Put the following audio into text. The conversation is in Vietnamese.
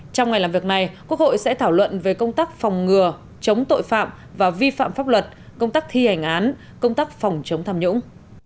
trong ngày làm việc này quốc hội sẽ thảo luận về công tác phòng ngừa chống tội phạm và vi phạm pháp luật công tác thi hành án công tác phòng chống tham nhũng